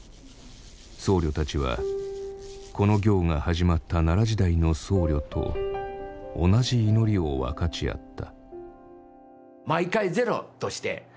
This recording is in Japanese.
僧侶たちはこの行が始まった奈良時代の僧侶と同じ祈りを分かち合った。